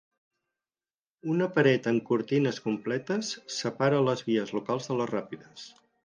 Una paret amb cortines completes separa les vies locals de les ràpides.